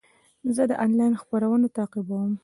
زه د انلاین خپرونه تعقیبوم.